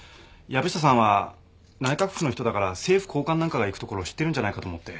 藪下さんは内閣府の人だから政府高官なんかが行く所知ってるんじゃないかと思って。